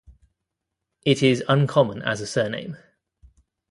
It is uncommon as a surname.